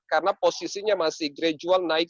karena posisinya masih gradual naik